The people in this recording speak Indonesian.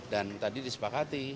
dan tadi disepakati